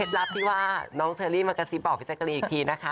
ลับที่ว่าน้องเชอรี่มากระซิบบอกพี่แจ๊กรีนอีกทีนะคะ